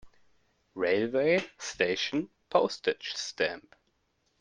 Railway station Postage stamp.